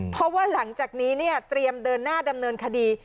เพราะว่าหลังจากนี้เนี่ยเตรียมเดินหน้าดำเนินคดี